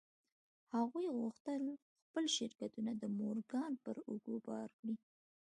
هغوی غوښتل خپل شرکتونه د مورګان پر اوږو بار کړي